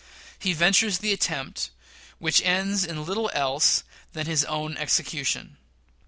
He ventures the attempt, which ends in little else than his own execution.